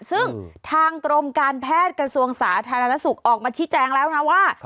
ซึ่งทางกรมการแพทย์กระทรวงสาธารณสุขออกมาชี้แจงแล้วนะว่า